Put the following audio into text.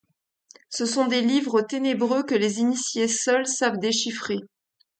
Ce sont des livres ténébreux que les initiés seuls savent déchiffrer.